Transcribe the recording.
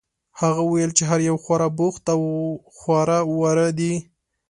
هغه وویل چې هر یو خورا بوخت او خواره واره دي.